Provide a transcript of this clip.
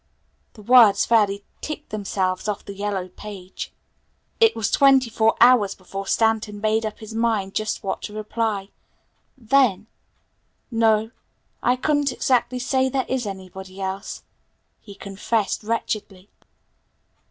The words fairly ticked themselves off the yellow page. It was twenty four hours before Stanton made up his mind just what to reply. Then, "No, I couldn't exactly say there is anybody else," he confessed wretchedly.